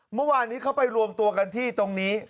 เมื่อวานนี้เขาไปรวมตัวกันที่ตรงนี้